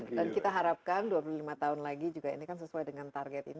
kita harapkan dua puluh lima tahun lagi juga ini kan sesuai dengan target ini